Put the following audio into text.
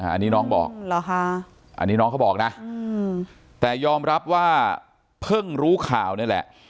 อันนี้น้องบอกอันนี้น้องเขาบอกนะแต่ยอมรับว่าเพิ่งรู้ข่าวนี่แหละ